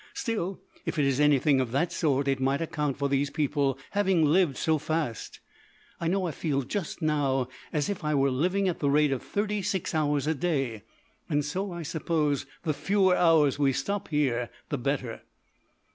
Still, if it is anything of that sort it might account for these people having lived so fast. I know I feel just now as if I was living at the rate of thirty six hours a day, and so, I suppose, the fewer hours we stop here the better."